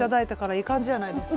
ええ感じじゃないですか？